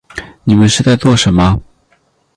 你们是在做什么